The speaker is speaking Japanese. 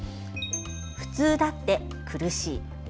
「普通だって苦しい」。